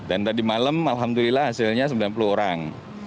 dan tadi malam alhamdulillah hasilnya sembilan puluh orang